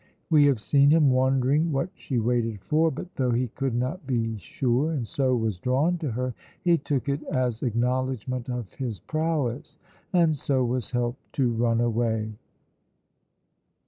We have seen him wondering what she waited for; but though he could not be sure, and so was drawn to her, he took it as acknowledgment of his prowess and so was helped to run away.